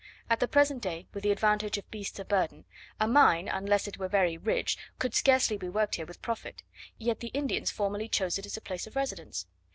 At the present day, with the advantage of beasts of burden, a mine, unless it were very rich, could scarcely be worked here with profit. Yet the Indians formerly chose it as a place of residence!